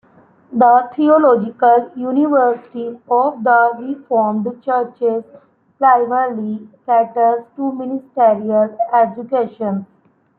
The Theological University of the Reformed Churches primarily caters to ministerial education.